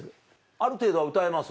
ある程度は歌えます？